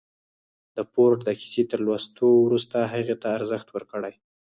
د فورډ د کيسې تر لوستو وروسته هغې ته ارزښت ورکړئ.